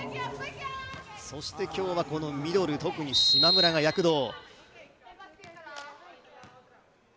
そして今日はこのミドル特に島村が躍動。